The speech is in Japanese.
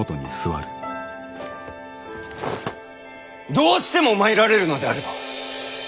どうしても参られるのであればこの家康